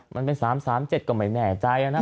มันเป็น๓๓๗ก็ไม่แน่ใจนะ